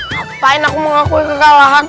ngapain aku mengakui kekalahan